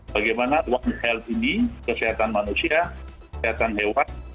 bagaimana kesehatan manusia kesehatan hewan